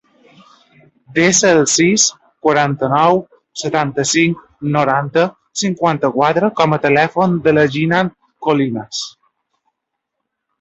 Desa el sis, quaranta-nou, setanta-cinc, noranta, cinquanta-quatre com a telèfon de la Jinan Colinas.